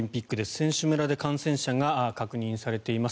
選手村で感染者が確認されています。